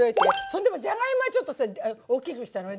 それでもじゃがいもはちょっと大きくしたの。